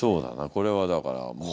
これはだからもう。